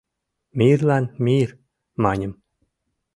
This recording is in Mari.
«Мирлан — мир!» — маньым.